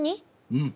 うん。